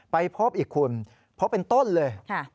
ไปพบอีกคุณพบเป็นต้นเลย